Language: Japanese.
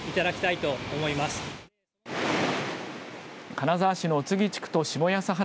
金沢市の打木地区と下安原